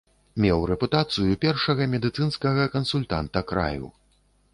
Меў рэпутацыю першага медыцынскага кансультанта краю.